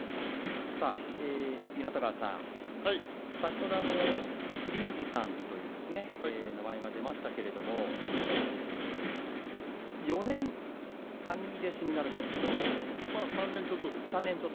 湊川さん、先ほど麒麟児さんという名前が出ましたけれども４年、兄弟子になるんですか。